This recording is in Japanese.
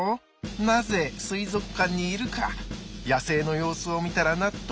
なぜ水族館にいるか野生の様子を見たら納得するはず。